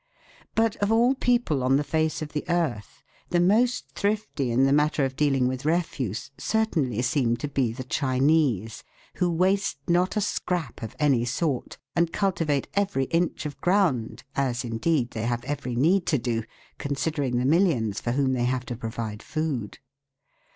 But of all people on the face of the earth, the most thrifty in the matter of dealing with refuse certainly seem to be the Chinese, who waste not a scrap of any sort, and cultivate every inch of ground, as, indeed, they have every need to do considering the millions for whom they have to provide food.